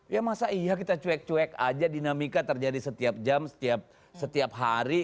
ya masa iya kita cuek cuek aja dinamika terjadi setiap jam setiap hari